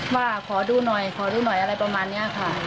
ว่าขอดูหน่อยขอดูหน่อยอะไรประมาณนี้ค่ะ